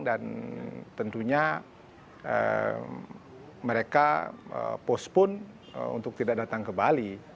dan tentunya mereka postpone untuk tidak datang ke bali